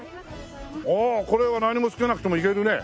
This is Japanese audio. ああこれは何もつけなくてもいけるね。